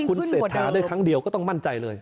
คุณเศรษฐาได้ครั้งเดียวก็ต้องมั่นใจเลย